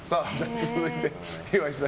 続いて、岩井さん。